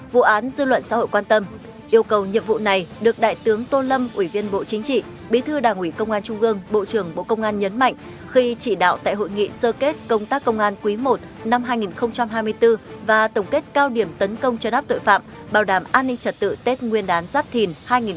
vụ án dư luận xã hội quan tâm yêu cầu nhiệm vụ này được đại tướng tô lâm ủy viên bộ chính trị bí thư đảng ủy công an trung gương bộ trưởng bộ công an nhấn mạnh khi chỉ đạo tại hội nghị sơ kết công tác công an quý i năm hai nghìn hai mươi bốn và tổng kết cao điểm tấn công chấn áp tội phạm bảo đảm an ninh trật tự tết nguyên đán giáp thìn hai nghìn hai mươi bốn